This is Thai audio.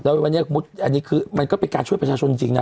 แล้ววันนี้อันนี้คือมันก็เป็นการช่วยประชาชนจริงนะ